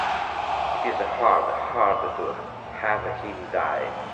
It is hard, hard to have him die!